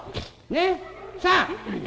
ねっ。さあ！」。